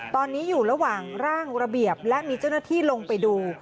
ตอนนี้อยู่ระหว่างร่างระเบียบและมีเจ้าหน้าที่ลงไปดู